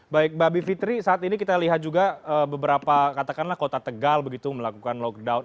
baik mbak bivitri saat ini kita lihat juga beberapa katakanlah kota tegal begitu melakukan lockdown